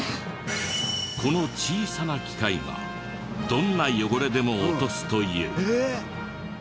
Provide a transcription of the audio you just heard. この小さな機械がどんな汚れでも落とすという。